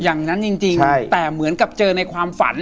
อย่างนั้นจริงแต่เหมือนกับเจอในความฝัน